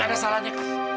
gak ada salahnya kan